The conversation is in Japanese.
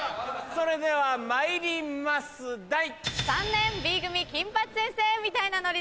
それではまいります題。